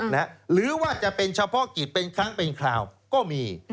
หรือว่าจะเป็นเฉพาะกิจเป็นครั้งเป็นคราวก็มี